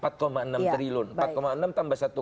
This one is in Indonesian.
empat enam triliun empat enam tambah satu